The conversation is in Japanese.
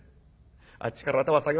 あっちから頭下げます。